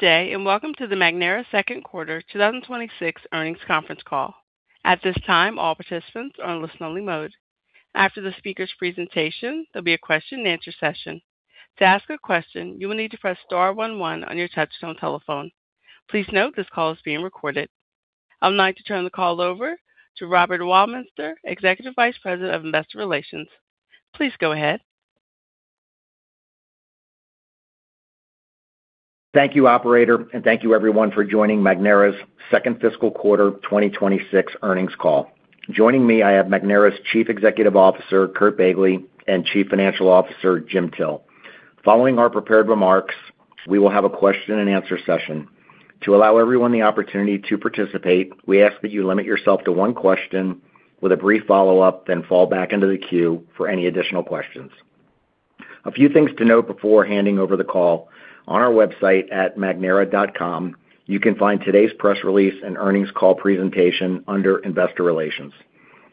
Good day, and welcome to the Magnera second quarter 2026 earnings conference call. At this time, all participants are in listen-only mode. After the speaker's presentation, there'll be a question and answer session. To ask a question, you will need to press star one one on your touchtone telephone. Please note this call is being recorded. I'd like to turn the call over to Robert Weilminster, Executive Vice President of Investor Relations. Please go ahead. Thank you, operator, thank you everyone for joining Magnera's second fiscal quarter 2026 earnings call. Joining me, I have Magnera's Chief Executive Officer, Curt Begle, and Chief Financial Officer, Jim Till. Following our prepared remarks, we will have a question and answer session. To allow everyone the opportunity to participate, we ask that you limit yourself to one question with a brief follow-up, then fall back into the queue for any additional questions. A few things to note before handing over the call. On our website at magnera.com, you can find today's press release and earnings call presentation under Investor Relations.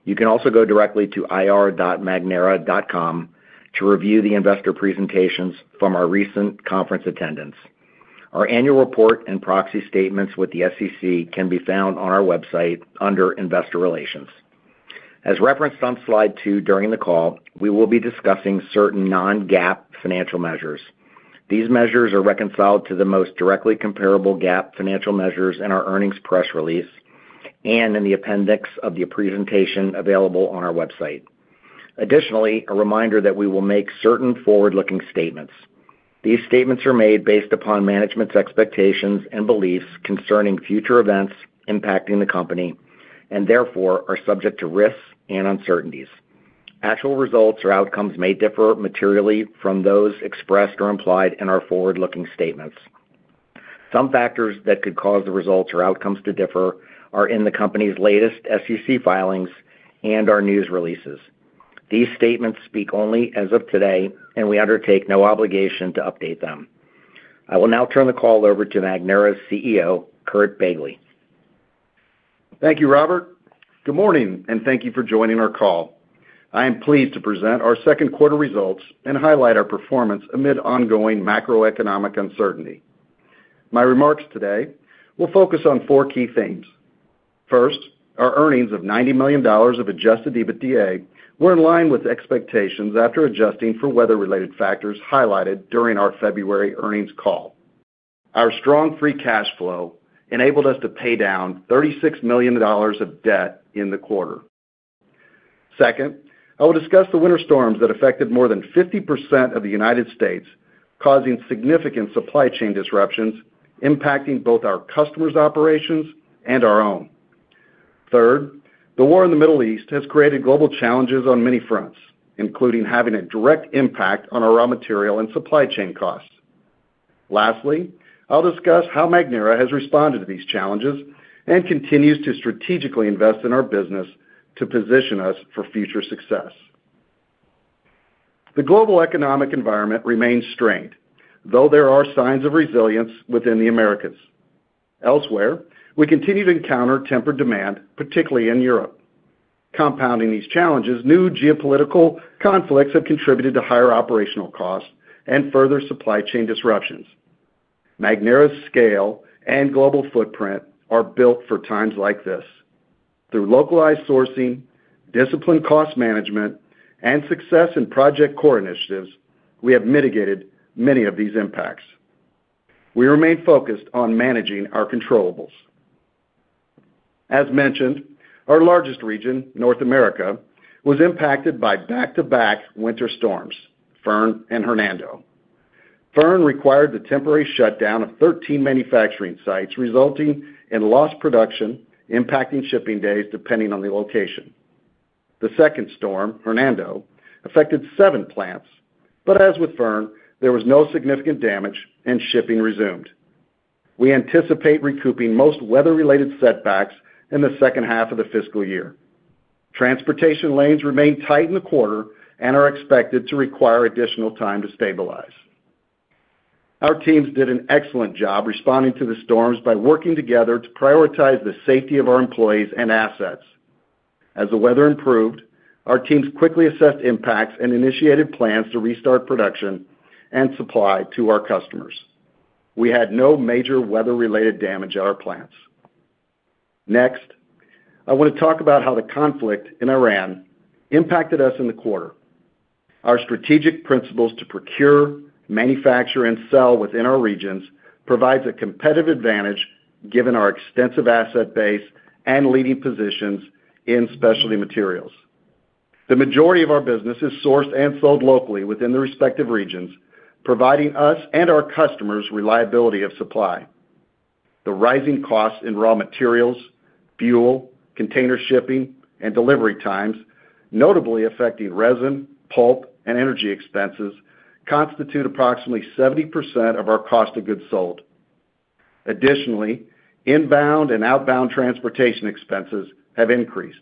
You can also go directly to ir.magnera.com to review the investor presentations from our recent conference attendance. Our annual report and proxy statements with the SEC can be found on our website under Investor Relations. As referenced on slide two during the call, we will be discussing certain non-GAAP financial measures. These measures are reconciled to the most directly comparable GAAP financial measures in our earnings press release and in the appendix of the presentation available on our website. Additionally, a reminder that we will make certain forward-looking statements. These statements are made based upon management's expectations and beliefs concerning future events impacting the company and therefore are subject to risks and uncertainties. Actual results or outcomes may differ materially from those expressed or implied in our forward-looking statements. Some factors that could cause the results or outcomes to differ are in the company's latest SEC filings and our news releases. These statements speak only as of today, and we undertake no obligation to update them. I will now turn the call over to Magnera's CEO, Curt Begle. Thank you, Robert. Good morning, thank you for joining our call. I am pleased to present our second quarter results and highlight our performance amid ongoing macroeconomic uncertainty. My remarks today will focus on four key themes. First, our earnings of $90 million of adjusted EBITDA were in line with expectations after adjusting for weather-related factors highlighted during our February earnings call. Our strong free cash flow enabled us to pay down $36 million of debt in the quarter. Second, I will discuss the winter storms that affected more than 50% of the United States., causing significant supply chain disruptions impacting both our customers' operations and our own. Third, the war in the Middle East has created global challenges on many fronts, including having a direct impact on our raw material and supply chain costs. I'll discuss how Magnera has responded to these challenges and continues to strategically invest in our business to position us for future success. The global economic environment remains strained, though there are signs of resilience within the Americas. Elsewhere, we continue to encounter tempered demand, particularly in Europe. Compounding these challenges, new geopolitical conflicts have contributed to higher operational costs and further supply chain disruptions. Magnera's scale and global footprint are built for times like this. Through localized sourcing, disciplined cost management, and success in Project CORE initiatives, we have mitigated many of these impacts. We remain focused on managing our controllables. As mentioned, our largest region, North America, was impacted by back-to-back winter storms, Fern and Hernando. Fern required the temporary shutdown of 13 manufacturing sites, resulting in lost production, impacting shipping days depending on the location. The second storm, Hernando, affected seven plants. As with Fern, there was no significant damage and shipping resumed. We anticipate recouping most weather-related setbacks in the second half of the fiscal year. Transportation lanes remain tight in the quarter and are expected to require additional time to stabilize. Our teams did an excellent job responding to the storms by working together to prioritize the safety of our employees and assets. As the weather improved, our teams quickly assessed impacts and initiated plans to restart production and supply to our customers. We had no major weather-related damage at our plants. Next, I want to talk about how the conflict in Iran impacted us in the quarter. Our strategic principles to procure, manufacture, and sell within our regions provides a competitive advantage given our extensive asset base and leading positions in specialty materials. The majority of our business is sourced and sold locally within the respective regions, providing us and our customers reliability of supply. The rising costs in raw materials, fuel, container shipping, and delivery times, notably affecting resin, pulp, and energy expenses, constitute approximately 70% of our cost of goods sold. Additionally, inbound and outbound transportation expenses have increased.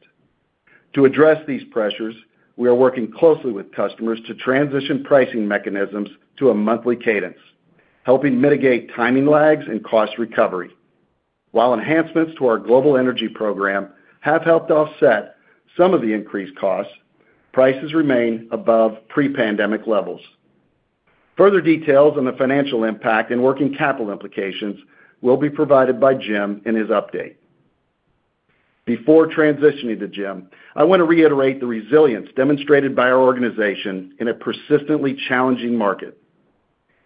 To address these pressures, we are working closely with customers to transition pricing mechanisms to a monthly cadence, helping mitigate timing lags and cost recovery. While enhancements to our global energy program have helped offset some of the increased costs, prices remain above pre-pandemic levels. Further details on the financial impact and working capital implications will be provided by Jim in his update. Before transitioning to Jim, I want to reiterate the resilience demonstrated by our organization in a persistently challenging market.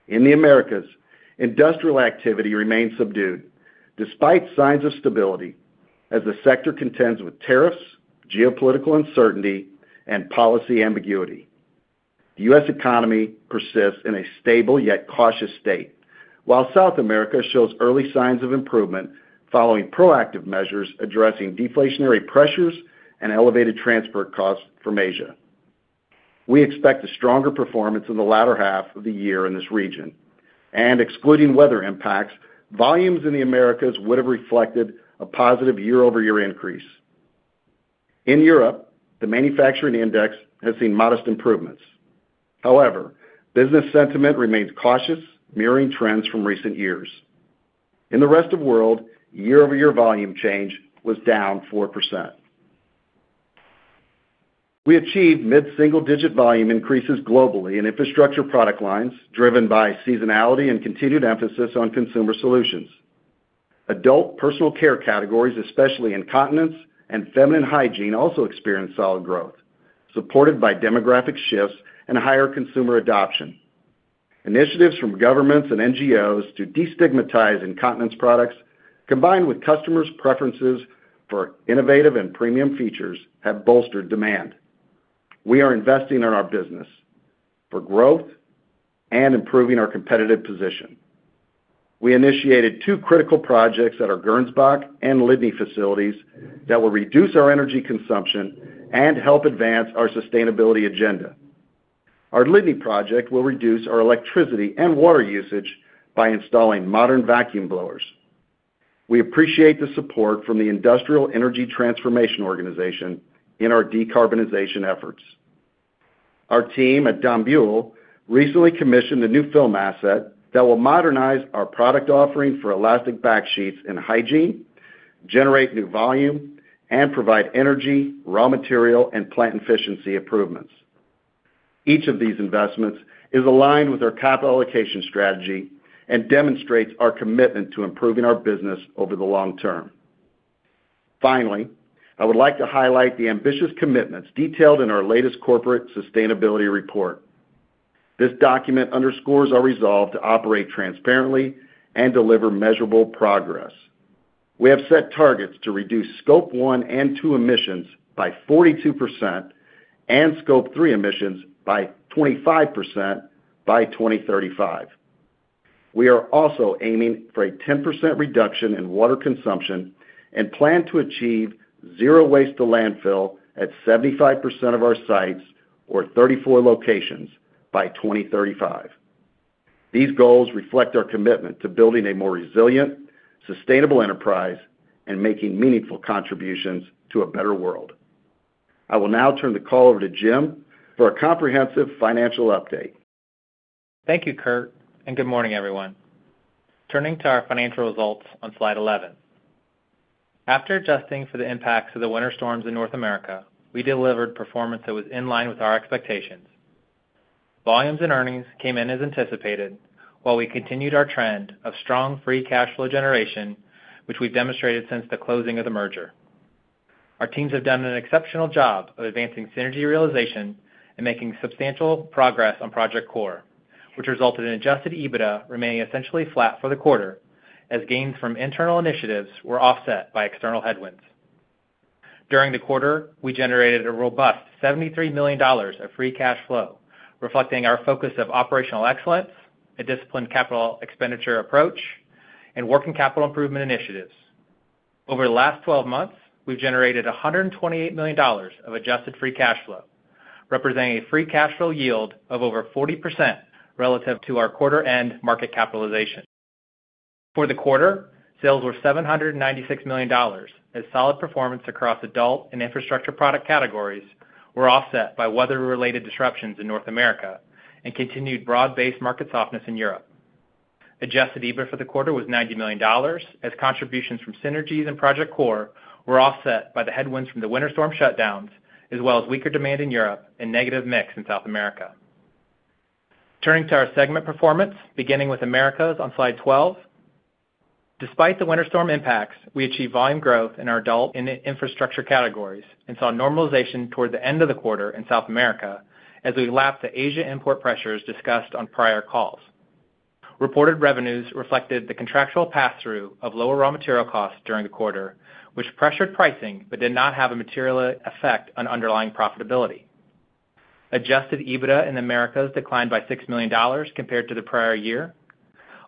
In the Americas, industrial activity remains subdued despite signs of stability as the sector contends with tariffs, geopolitical uncertainty, and policy ambiguity. The U.S. economy persists in a stable yet cautious state, while South America shows early signs of improvement following proactive measures addressing deflationary pressures and elevated transport costs from Asia. We expect a stronger performance in the latter half of the year in this region, and excluding weather impacts, volumes in the Americas would have reflected a positive year-over-year increase. In Europe, the manufacturing index has seen modest improvements. However, business sentiment remains cautious, mirroring trends from recent years. In the Rest of World, year-over-year volume change was down 4%. We achieved mid single-digit volume increases globally in infrastructure product lines, driven by seasonality and continued emphasis on consumer solutions. Adult personal care categories, especially incontinence and feminine hygiene, also experienced solid growth, supported by demographic shifts and higher consumer adoption. Initiatives from governments and NGOs to destigmatize incontinence products combined with customers' preferences for innovative and premium features have bolstered demand. We are investing in our business for growth and improving our competitive position. We initiated two critical projects at our Gernsbach and Lydney facilities that will reduce our energy consumption and help advance our sustainability agenda. Our Lydney project will reduce our electricity and water usage by installing modern vacuum blowers. We appreciate the support from the Industrial Energy Transformation Fund in our decarbonization efforts. Our team at Dombühl recently commissioned a new film asset that will modernize our product offering for elastic back sheets in hygiene, generate new volume, and provide energy, raw material, and plant efficiency improvements. Each of these investments is aligned with our capital allocation strategy and demonstrates our commitment to improving our business over the long term. Finally, I would like to highlight the ambitious commitments detailed in our latest corporate sustainability report. This document underscores our resolve to operate transparently and deliver measurable progress. We have set targets to reduce Scope 1 and 2 emissions by 42% and Scope 3 emissions by 25% by 2035. We are also aiming for a 10% reduction in water consumption and plan to achieve zero waste to landfill at 75% of our sites or 34 locations by 2035. These goals reflect our commitment to building a more resilient, sustainable enterprise and making meaningful contributions to a better world. I will now turn the call over to Jim for a comprehensive financial update. Thank you, Curt, and good morning, everyone. Turning to our financial results on slide 11. After adjusting for the impacts of the winter storms in North America, we delivered performance that was in line with our expectations. Volumes and earnings came in as anticipated while we continued our trend of strong free cash flow generation, which we've demonstrated since the closing of the merger. Our teams have done an exceptional job of advancing synergy realization and making substantial progress on Project CORE, which resulted in adjusted EBITDA remaining essentially flat for the quarter as gains from internal initiatives were offset by external headwinds. During the quarter, we generated a robust $73 million of free cash flow, reflecting our focus of operational excellence, a disciplined capital expenditure approach, and working capital improvement initiatives. Over the last 12 months, we've generated $128 million of adjusted free cash flow, representing a free cash flow yield of over 40% relative to our quarter-end market capitalization. For the quarter, sales were $796 million as solid performance across adult and infrastructure product categories were offset by weather-related disruptions in North America and continued broad-based market softness in Europe. Adjusted EBITDA for the quarter was $90 million as contributions from synergies and Project CORE were offset by the headwinds from the winter storm shutdowns as well as weaker demand in Europe and negative mix in South America. Turning to our segment performance, beginning with Americas on Slide 12. Despite the winter storm impacts, we achieved volume growth in our adult and infrastructure categories and saw normalization toward the end of the quarter in South America as we lapped the Asia import pressures discussed on prior calls. Reported revenues reflected the contractual pass-through of lower raw material costs during the quarter, which pressured pricing but did not have a material effect on underlying profitability. Adjusted EBITDA in Americas declined by $6 million compared to the prior year.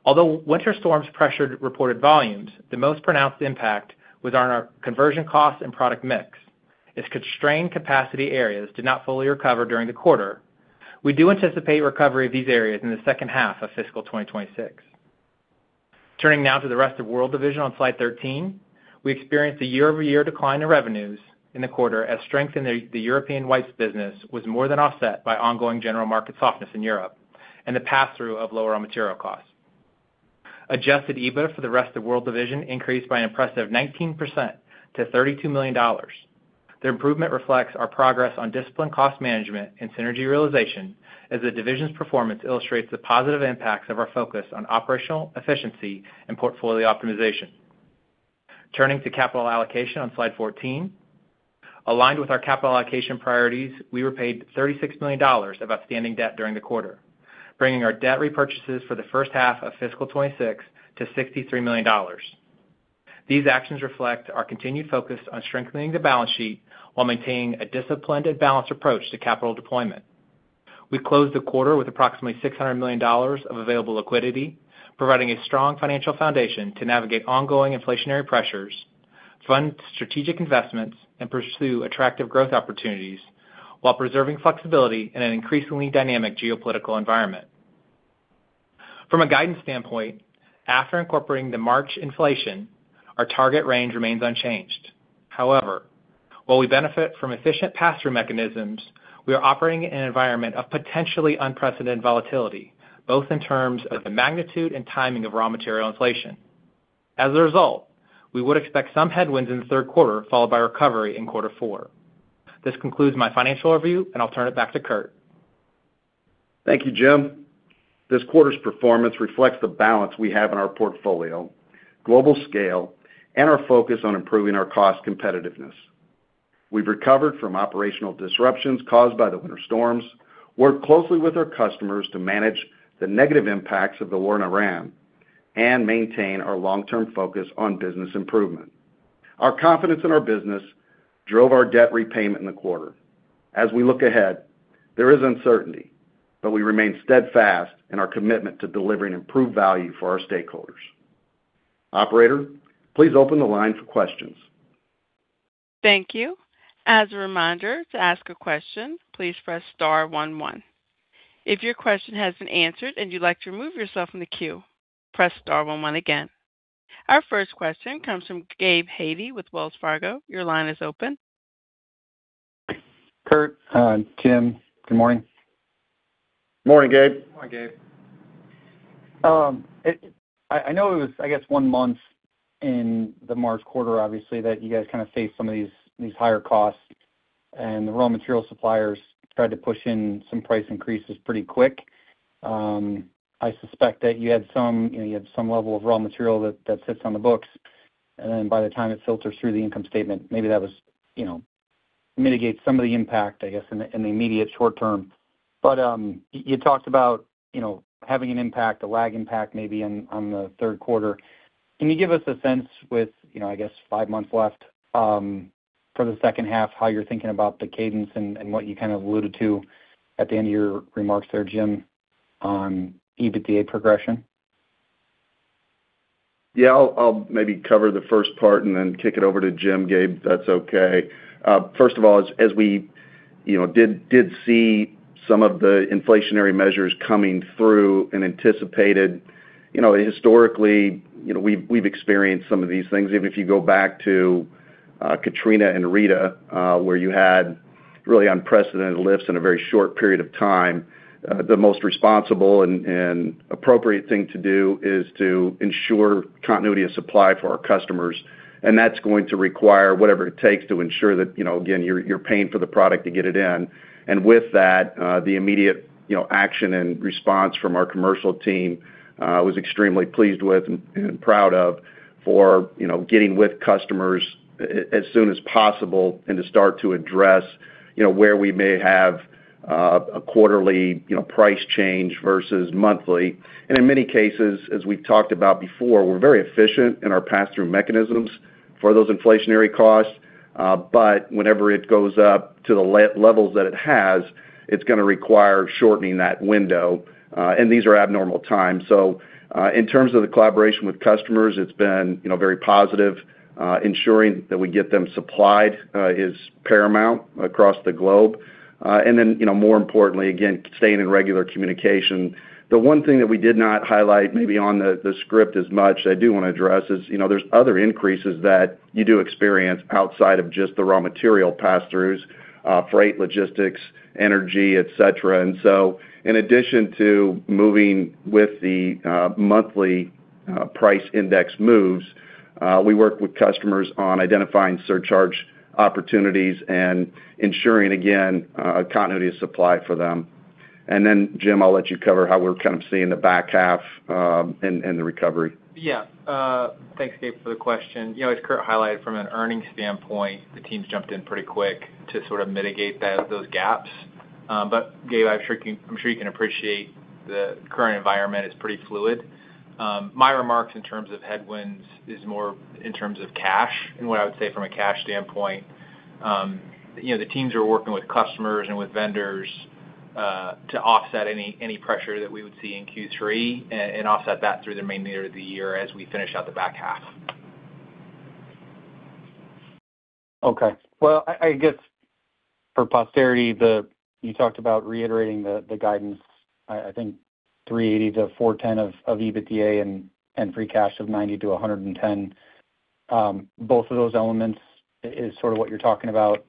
Although winter storms pressured reported volumes, the most pronounced impact was on our conversion costs and product mix as constrained capacity areas did not fully recover during the quarter. We do anticipate recovery of these areas in the second half of fiscal 2026. Turning now to the Rest of World division on slide 13. We experienced a year-over-year decline in revenues in the quarter as strength in the European wipes business was more than offset by ongoing general market softness in Europe and the pass-through of lower raw material costs. Adjusted EBIT for the Rest of World division increased by an impressive 19% to $32 million. The improvement reflects our progress on disciplined cost management and synergy realization as the division's performance illustrates the positive impacts of our focus on operational efficiency and portfolio optimization. Turning to capital allocation on slide 14. Aligned with our capital allocation priorities, we repaid $36 million of outstanding debt during the quarter, bringing our debt repurchases for the first half of fiscal 2026 to $63 million. These actions reflect our continued focus on strengthening the balance sheet while maintaining a disciplined and balanced approach to capital deployment. We closed the quarter with approximately $600 million of available liquidity, providing a strong financial foundation to navigate ongoing inflationary pressures, fund strategic investments, and pursue attractive growth opportunities while preserving flexibility in an increasingly dynamic geopolitical environment. From a guidance standpoint, after incorporating the March inflation, our target range remains unchanged. While we benefit from efficient pass-through mechanisms, we are operating in an environment of potentially unprecedented volatility, both in terms of the magnitude and timing of raw material inflation. We would expect some headwinds in the third quarter, followed by recovery in quarter four. This concludes my financial overview, and I'll turn it back to Curt. Thank you, Jim. This quarter's performance reflects the balance we have in our portfolio, global scale, and our focus on improving our cost competitiveness. We've recovered from operational disruptions caused by the winter storms, worked closely with our customers to manage the negative impacts of the war in Iran, and maintain our long-term focus on business improvement. Our confidence in our business drove our debt repayment in the quarter. As we look ahead, there is uncertainty, but we remain steadfast in our commitment to delivering improved value for our stakeholders. Operator, please open the line for questions. Thank you. As a reminder, to ask a question, please press star one one. If your question has been answered and you would like to remove yourself from the queue, press star one one again. Our first question comes from Gabe Hajde with Wells Fargo. Your line is open. Curt, Jim, good morning. Morning, Gabe. Morning, Gabe. I know it was, I guess, one month in the March quarter, obviously, that you guys kind of faced some of these higher costs, and the raw material suppliers tried to push in some price increases pretty quick. I suspect that you had some, you know, you had some level of raw material that sits on the books, and then by the time it filters through the income statement, maybe that was, you know, mitigate some of the impact, I guess, in the, in the immediate short term. You talked about, you know, having an impact, a lag impact maybe on the third quarter. Can you give us a sense with, you know, I guess five months left for the second half, how you're thinking about the cadence and what you kind of alluded to at the end of your remarks there, Jim, on EBITDA progression? Yeah. I'll maybe cover the first part and then kick it over to Jim, Gabe, if that's okay. First of all, as we, you know, did see some of the inflationary measures coming through and anticipated, you know, historically, you know, we've experienced some of these things. Even if you go back to Katrina and Rita, where you had really unprecedented lifts in a very short period of time, the most responsible and appropriate thing to do is to ensure continuity of supply for our customers. That's going to require whatever it takes to ensure that, you know, again, you're paying for the product to get it in. With that, the immediate, you know, action and response from our commercial team was extremely pleased with and proud of for, you know, getting with customers as soon as possible and to start to address, you know, where we may have a quarterly, you know, price change versus monthly. In many cases, as we've talked about before, we're very efficient in our pass-through mechanisms for those inflationary costs, but whenever it goes up to the levels that it has, it's gonna require shortening that window, and these are abnormal times. In terms of the collaboration with customers, it's been, you know, very positive. Ensuring that we get them supplied is paramount across the globe. You know, more importantly, again, staying in regular communication. The one thing that we did not highlight maybe on the script as much that I do wanna address is, you know, there's other increases that you do experience outside of just the raw material pass-throughs, freight, logistics, energy, et cetera. In addition to moving with the monthly price index moves, we work with customers on identifying surcharge opportunities and ensuring, again, continuity of supply for them. Then, Jim, I'll let you cover how we're kind of seeing the back half and the recovery. Thanks, Gabe, for the question. You know, as Curt highlighted from an earnings standpoint, the teams jumped in pretty quick to sort of mitigate that, those gaps. Gabe, I'm sure you can appreciate the current environment is pretty fluid. My remarks in terms of headwinds is more in terms of cash and what I would say from a cash standpoint. You know, the teams are working with customers and with vendors to offset any pressure that we would see in Q3 and offset that through the remainder of the year as we finish out the back half. Well, I guess for posterity, you talked about reiterating the guidance, I think $380 million-$410 million of EBITDA and free cash of $90 million-$110 million. Both of those elements is sort of what you're talking about.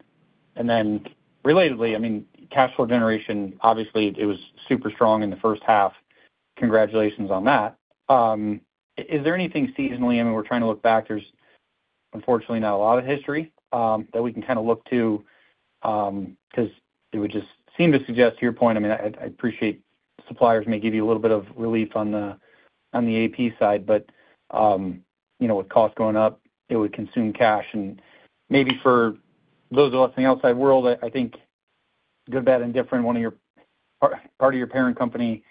Relatedly, I mean, cash flow generation, obviously, it was super strong in the first half. Congratulations on that. Is there anything seasonally, I mean, we're trying to look back. There's unfortunately not a lot of history that we can kind of look to, because it would just seem to suggest to your point, I mean, I appreciate suppliers may give you a little bit of relief on the AP side, but, you know, with costs going up, it would consume cash. Maybe for those of us in the outside world, I think good, bad, and different, part of your parent company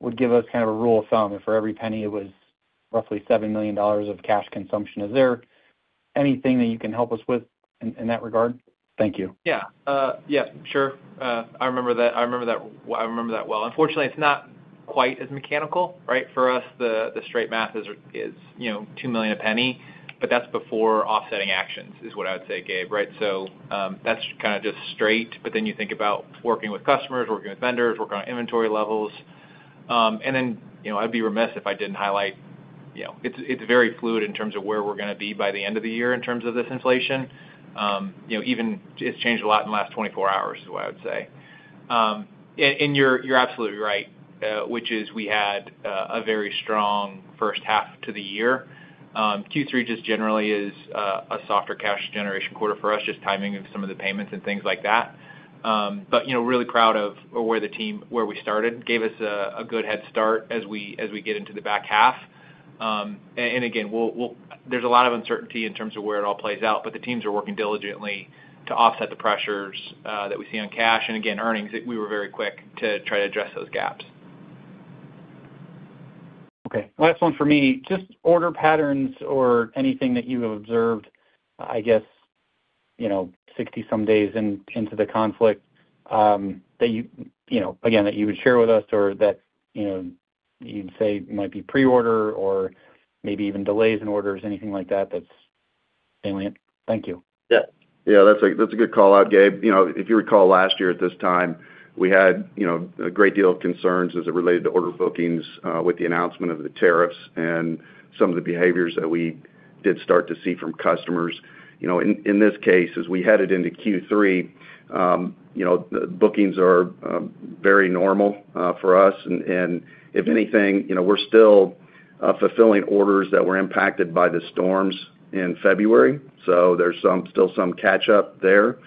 would give us kind of a rule of thumb. If for every $0.01, it was roughly $7 million of cash consumption. Is there anything that you can help us with in that regard? Thank you. Yeah, sure. I remember that well. Unfortunately, it's not quite as mechanical, right? For us, the straight math is, you know, $2 million, that's before offsetting actions is what I would say, Gabe, right? That's kind of just straight, you think about working with customers, working with vendors, working on inventory levels. You know, I'd be remiss if I didn't highlight, you know, it's very fluid in terms of where we're gonna be by the end of the year in terms of this inflation. You know, even it's changed a lot in the last 24 hours is what I would say. You're absolutely right, which is we had a very strong first half to the year. Q3 just generally is a softer cash generation quarter for us, just timing of some of the payments and things like that. You know, really proud of where the team, where we started, gave us a good head start as we get into the back half. Again, there's a lot of uncertainty in terms of where it all plays out, but the teams are working diligently to offset the pressures that we see on cash and again, earnings. We were very quick to try to address those gaps. Okay. Last one for me, just order patterns or anything that you have observed, I guess, you know, 60 some days in, into the conflict, that you know, again, that you would share with us or that, you know, you'd say might be pre-order or maybe even delays in orders, anything like that that's salient. Thank you. Yeah. Yeah. That's a good call out, Gabe. You know, if you recall last year at this time, we had, you know, a great deal of concerns as it related to order bookings, with the announcement of the tariffs and some of the behaviors that we did start to see from customers. You know, in this case, as we headed into Q3, you know, bookings are very normal for us. If anything, you know, we're still fulfilling orders that were impacted by the storms in February. There's still some catch up there.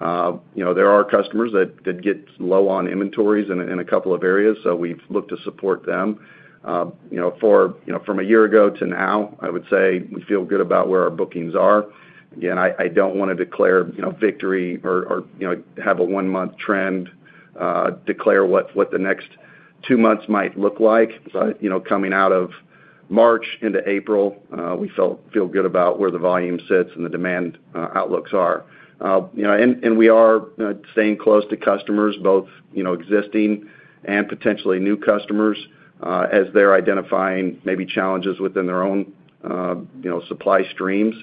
You know, there are customers that did get low on inventories in a couple of areas, so we've looked to support them. You know, for, you know, from a year ago to now, I would say we feel good about where our bookings are. Again, I don't wanna declare, you know, victory or, you know, have a one-month trend declare what the next two months might look like. You know, coming out of March into April, we feel good about where the volume sits and the demand outlooks are. You know, and we are staying close to customers, both, you know, existing and potentially new customers, as they're identifying maybe challenges within their own, you know, supply streams.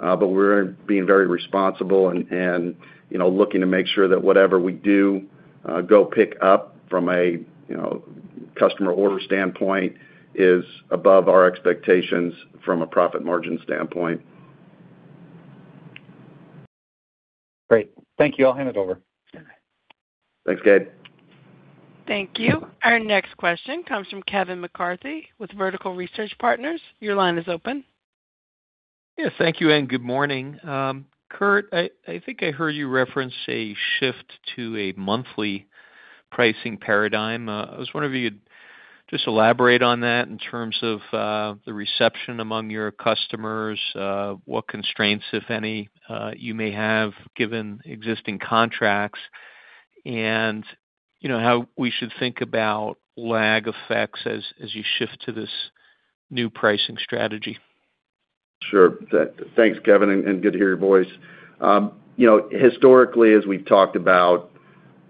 We're being very responsible and, you know, looking to make sure that whatever we do, go pick up from a, you know, customer order standpoint is above our expectations from a profit margin standpoint. Great. Thank you. I'll hand it over. Thanks, Gabe. Thank you. Our next question comes from Kevin McCarthy with Vertical Research Partners. Your line is open. Yeah. Thank you, and good morning. Curt, I think I heard you reference a shift to a monthly pricing paradigm. I was wondering if you'd just elaborate on that in terms of the reception among your customers, what constraints, if any, you may have given existing contracts, and you know, how we should think about lag effects as you shift to this new pricing strategy. Sure. Thanks, Kevin, and good to hear your voice. You know, historically, as we've talked about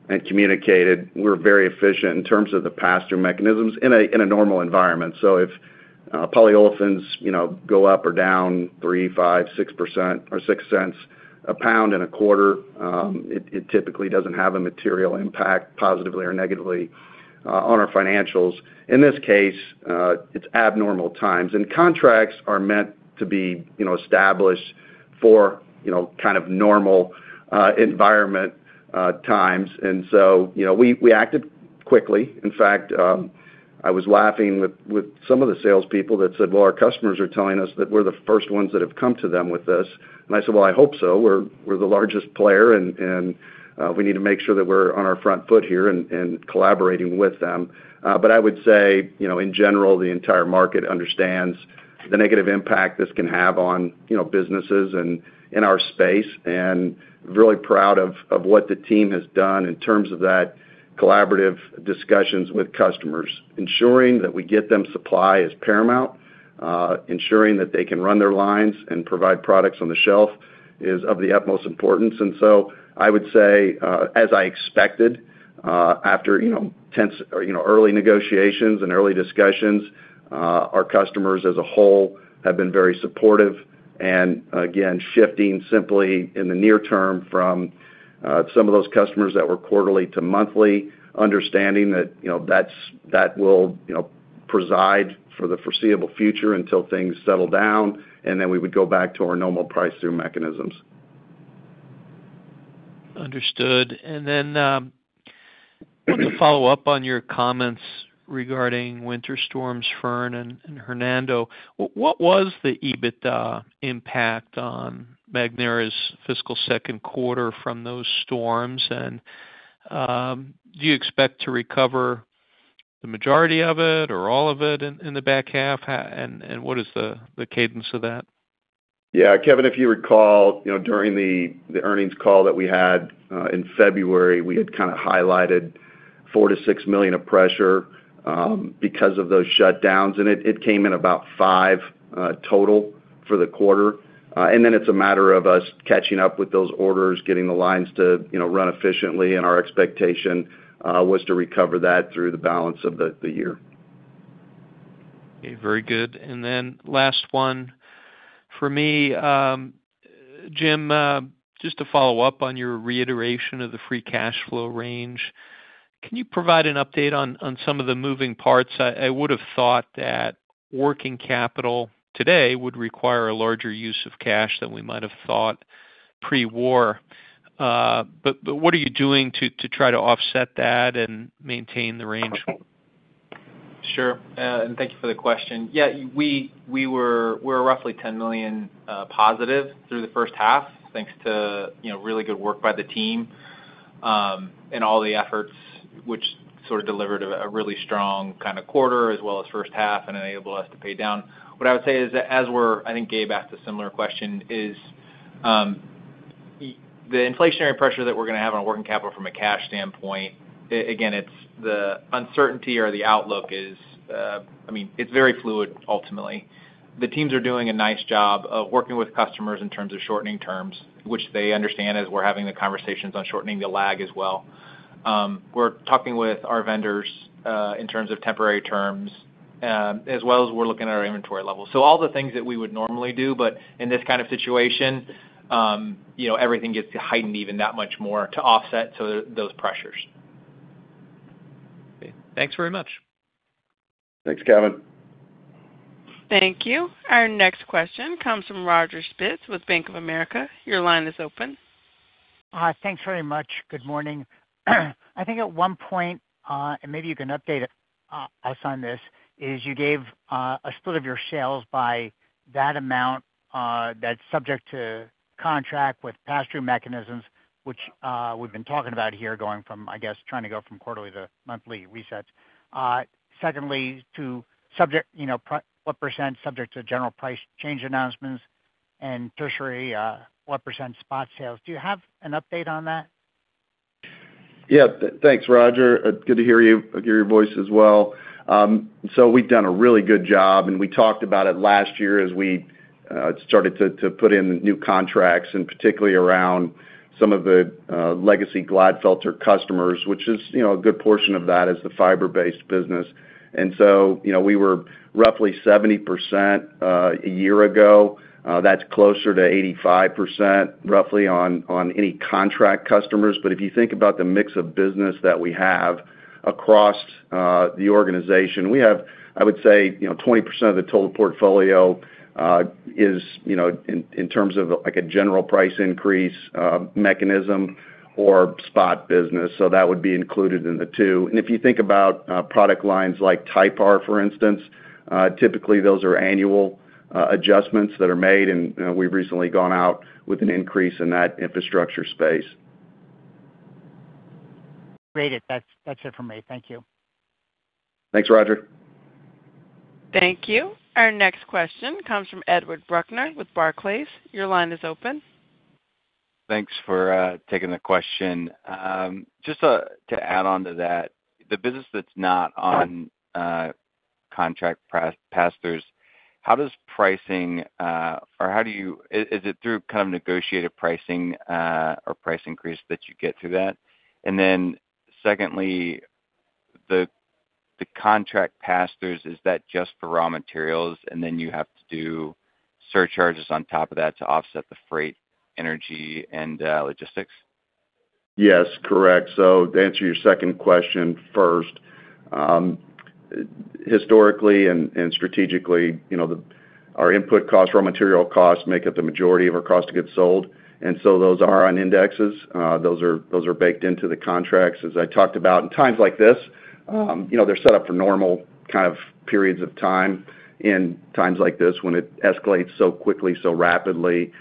and communicated, we're very efficient in terms of the pass-through mechanisms in a normal environment. If polyolefins, you know, go up or down 3%, 5%, 6% or $0.0625, it typically doesn't have a material impact positively or negatively on our financials. In this case, it's abnormal times. Contracts are meant to be, you know, established for, you know, kind of normal environment times. We acted quickly. In fact, I was laughing with some of the salespeople that said, well, our customers are telling us that we're the first ones that have come to them with this. I said, well, I hope so. We're the largest player, and we need to make sure that we're on our front foot here and collaborating with them. I would say, you know, in general, the entire market understands the negative impact this can have on, you know, businesses and in our space, and really proud of what the team has done in terms of that collaborative discussions with customers. Ensuring that we get them supply is paramount. Ensuring that they can run their lines and provide products on the shelf is of the utmost importance. I would say, as I expected, after, you know, tense, you know, early negotiations and early discussions, our customers as a whole have been very supportive and again, shifting simply in the near term from some of those customers that were quarterly to monthly, understanding that, you know, that will, you know, preside for the foreseeable future until things settle down, and then we would go back to our normal price through mechanisms. Understood. Wanted to follow up on your comments regarding Winter Storms Fern and Hernando. What was the EBITDA impact on Magnera's fiscal second quarter from those storms? Do you expect to recover the majority of it or all of it in the back half? What is the cadence of that? Yeah, Kevin, if you recall, you know, during the earnings call that we had in February, we had kind of highlighted $4 million-$6 million of pressure because of those shutdowns, and it came in about $5 million total for the quarter. It's a matter of us catching up with those orders, getting the lines to, you know, run efficiently. Our expectation was to recover that through the balance of the year. Okay, very good. Last one for me. Jim, just to follow up on your reiteration of the free cash flow range, can you provide an update on some of the moving parts? I would have thought that working capital today would require a larger use of cash than we might have thought pre-war. What are you doing to try to offset that and maintain the range? Sure. Thank you for the question. Yeah, we're roughly $10 million+ through the first half, thanks to, you know, really good work by the team and all the efforts which sort of delivered a really strong kind of quarter as well as first half and enabled us to pay down. What I would say is that as we're, I think Gabe asked a similar question, is, the inflationary pressure that we're going to have on working capital from a cash standpoint, again, it's the uncertainty or the outlook is, I mean, it's very fluid ultimately. The teams are doing a nice job of working with customers in terms of shortening terms, which they understand as we're having the conversations on shortening the lag as well. We're talking with our vendors in terms of temporary terms, as well as we're looking at our inventory levels. All the things that we would normally do, but in this kind of situation, everything gets heightened even that much more to offset so those pressures. Okay. Thanks very much. Thanks, Kevin. Thank you. Our next question comes from Roger Spitz with Bank of America. Your line is open. Thanks very much. Good morning. I think at one point, maybe you can update us on this, is you gave a split of your sales by that amount that's subject to contract with pass-through mechanisms, which we've been talking about here going from, I guess, trying to go from quarterly to monthly resets. Secondly, to subject, you know, what % subject to general price change announcements and tertiary, what percent spot sales. Do you have an update on that? Yeah. Thanks, Roger. Good to hear you, hear your voice as well. We've done a really good job, and we talked about it last year as we started to put in new contracts, particularly around some of the legacy Glatfelter customers, which is, you know, a good portion of that is the fiber-based business. You know, we were roughly 70% a year ago. That's closer to 85% roughly on any contract customers. If you think about the mix of business that we have across the organization, we have, I would say, you know, 20% of the total portfolio is, you know, in terms of, like, a general price increase mechanism or spot business. That would be included in the 2%. If you think about product lines like TYPAR, for instance, typically those are annual adjustments that are made, and, you know, we've recently gone out with an increase in that infrastructure space. Great. That's it for me. Thank you. Thanks, Roger. Thank you. Our next question comes from Edward Brucker with Barclays. Your line is open. Thanks for taking the question. Just to add on to that, the business that's not on contract pass-throughs, how does pricing, or is it through kind of negotiated pricing or price increase that you get to that? Secondly, the contract pass-throughs, is that just for raw materials, and then you have to do surcharges on top of that to offset the freight, energy, and logistics? Yes, correct. To answer your second question first, historically and strategically, you know, the, our input costs, raw material costs make up the majority of our cost to get sold. Those are on indexes. Those are baked into the contracts, as I talked about. In times like this, you know, they're set up for normal kind of periods of time. In times like this when it escalates so quickly, so rapidly,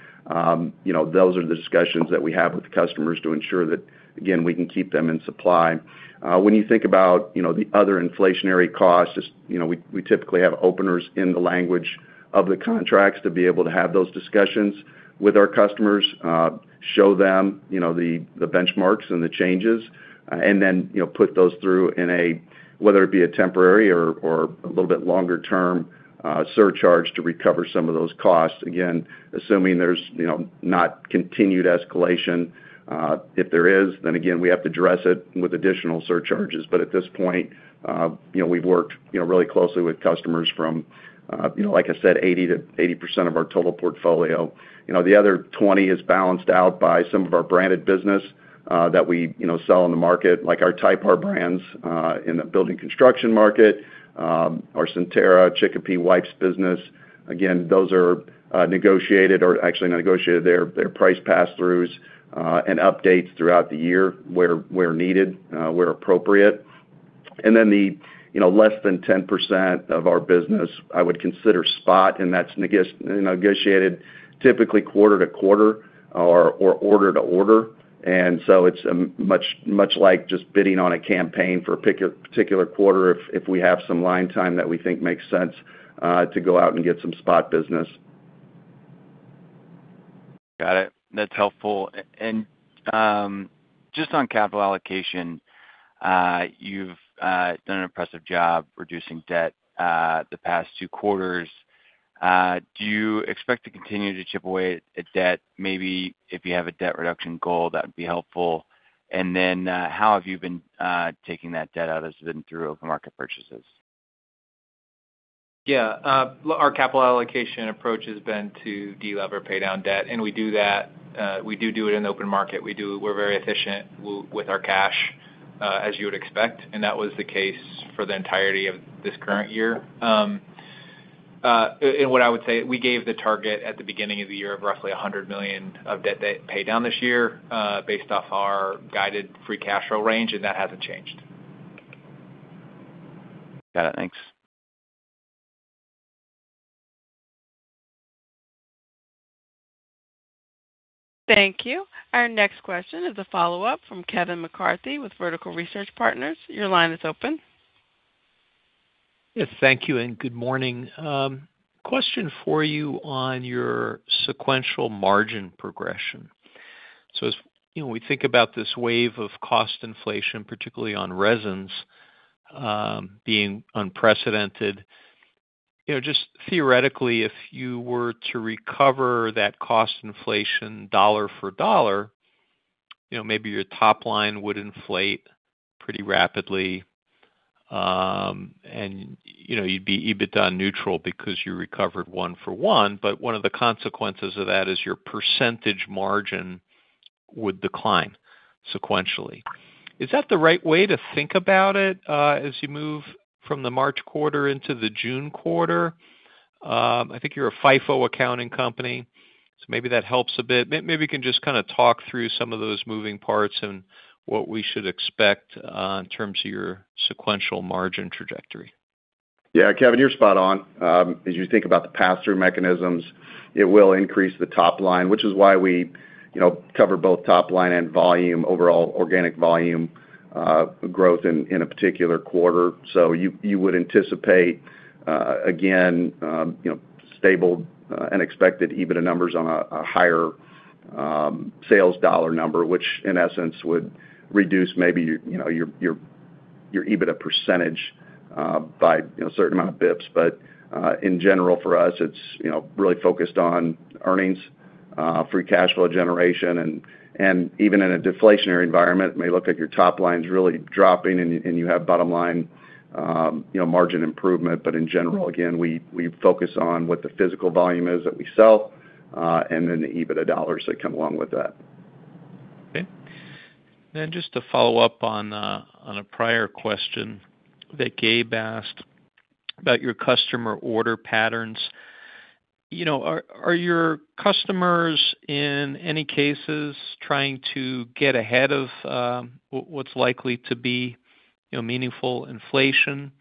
you know, those are the discussions that we have with customers to ensure that, again, we can keep them in supply. When you think about, you know, the other inflationary costs, just, you know, we typically have openers in the language of the contracts to be able to have those discussions with our customers, show them, you know, the benchmarks and the changes, and then, you know, put those through whether it be a temporary or a little bit longer term surcharge to recover some of those costs. Again, assuming there's, you know, not continued escalation. If there is, then again, we have to address it with additional surcharges. At this point, you know, we've worked, you know, really closely with customers from, you know, like I said, 80 to 80% of our total portfolio. You know, the other 20% is balanced out by some of our branded business that we, you know, sell on the market, like our TYPAR brands in the building construction market, our Sontara, Chicopee wipes business. Again, those are negotiated or actually negotiated their price pass-throughs and updates throughout the year where needed, where appropriate. Then the, you know, less than 10% of our business I would consider spot, and that's negotiated typically quarter to quarter or order to order. It's much like just bidding on a campaign for a particular quarter if we have some line time that we think makes sense to go out and get some spot business. Got it. That's helpful. Just on capital allocation, you've done an impressive job reducing debt the past two quarters. Do you expect to continue to chip away at debt? Maybe if you have a debt reduction goal, that would be helpful. How have you been taking that debt out? Has it been through open market purchases? Our capital allocation approach has been to de-lever, pay down debt, and we do it in open market. We're very efficient with our cash, as you would expect, and that was the case for the entirety of this current year. What I would say, we gave the target at the beginning of the year of roughly $100 million of debt that pay down this year, based off our guided free cash flow range, and that hasn't changed. Got it. Thanks. Thank you. Our next question is a follow-up from Kevin McCarthy with Vertical Research Partners. Your line is open. Yes, thank you, and good morning. Question for you on your sequential margin progression. As, you know, we think about this wave of cost inflation, particularly on resins, being unprecedented. You know, just theoretically, if you were to recover that cost inflation dollar for dollar, you know, maybe your top line would inflate pretty rapidly, and, you know, you'd be EBITDA neutral because you recovered one for one. One of the consequences of that is your percentage margin would decline sequentially. Is that the right way to think about it as you move from the March quarter into the June quarter? I think you're a FIFO accounting company, maybe that helps a bit. Maybe you can just kinda talk through some of those moving parts and what we should expect in terms of your sequential margin trajectory. Yeah. Kevin, you're spot on. As you think about the pass-through mechanisms, it will increase the top line, which is why we, you know, cover both top line and volume, overall organic volume growth in a particular quarter. You would anticipate, again, you know, stable and expected EBITDA numbers on a higher sales dollar number, which in essence would reduce maybe your, you know, your EBITDA percentage by, you know, a certain amount of basis points. In general for us, it's, you know, really focused on earnings, free cash flow generation. Even in a deflationary environment, it may look like your top line's really dropping and you have bottom line, you know, margin improvement. In general, again, we focus on what the physical volume is that we sell, and then the EBITDA dollars that come along with that. Okay. Just to follow up on a prior question that Gabe asked about your customer order patterns. You know, are your customers, in any cases, trying to get ahead of what's likely to be, you know, meaningful inflation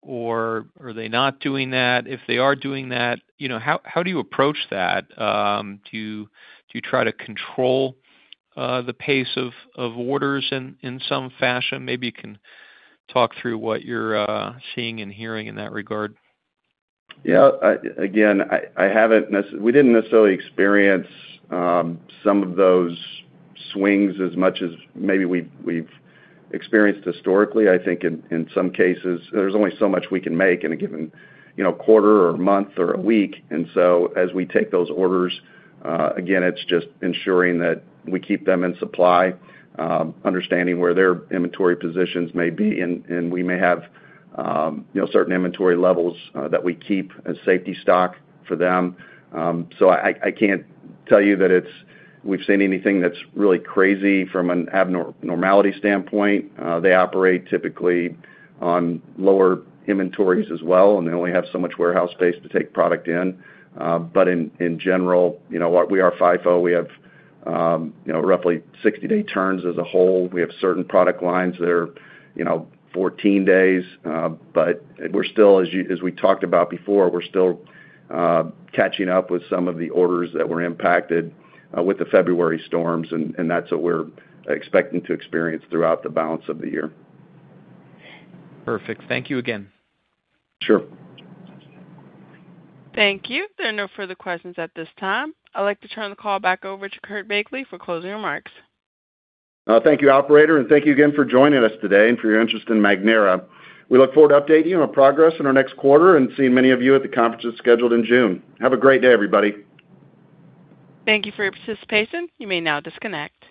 or are they not doing that? If they are doing that, you know, how do you approach that? Do you try to control the pace of orders in some fashion? Maybe you can talk through what you're seeing and hearing in that regard. Yeah. Again, we didn't necessarily experience some of those swings as much as maybe we've experienced historically. I think in some cases, there's only so much we can make in a given, you know, quarter or month or a week. As we take those orders, again, it's just ensuring that we keep them in supply, understanding where their inventory positions may be. We may have, you know, certain inventory levels that we keep as safety stock for them. I can't tell you that we've seen anything that's really crazy from an abnormality standpoint. They operate typically on lower inventories as well, and they only have so much warehouse space to take product in. In general, you know, we are FIFO. We have, you know, roughly 60 day turns as a whole. We have certain product lines that are, you know, 14 days. We're still, as we talked about before, we're still catching up with some of the orders that were impacted with the February storms, and that's what we're expecting to experience throughout the balance of the year. Perfect. Thank you again. Sure. Thank you. There are no further questions at this time. I'd like to turn the call back over to Curt Begle for closing remarks. Thank you, operator, and thank you again for joining us today and for your interest in Magnera. We look forward to updating you on our progress in our next quarter and seeing many of you at the conferences scheduled in June. Have a great day, everybody. Thank you for your participation. You may now disconnect.